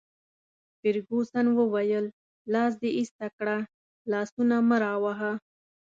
فرګوسن وویل: لاس دي ایسته کړه، لاسونه مه راوهه.